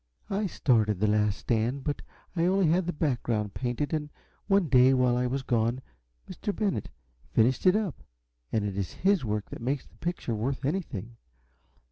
I started 'The Last Stand,' but I only had the background painted, and one day while I was gone Mr. Bennett finished it up and it is his work that makes the picture worth anything.